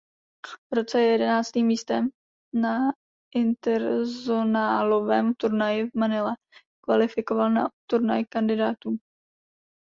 V roce se jedenáctým místem na interzonálovém turnaji v Manile kvalifikoval na turnaj kandidátů.